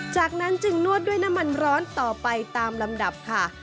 จากนั้นจึงนวดด้วยน้ำมันร้อนต่อไปตามลำดับค่ะ